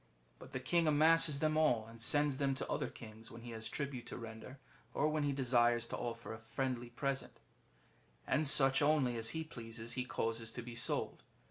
But the king amasses them all, and sends them to other kings when he has tribute to render, or when he desires to offer a friendly present ; and such only as he pleases he causes to be sold.